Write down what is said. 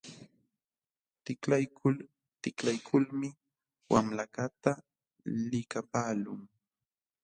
Tiklaykul tiklaykulmi wamlakaqta likapaqlun.